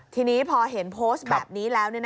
ทีนี้พอเห็นโพสต์แบบนี้แล้ว